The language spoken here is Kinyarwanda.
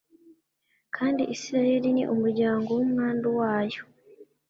kandi Isirayeli ni umuryango wumwandu wayo